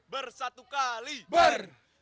ber satu kali ber